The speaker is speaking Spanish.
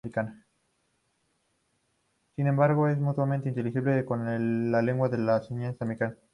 Sin embargo, es mutuamente ininteligible con la lengua de señas americana.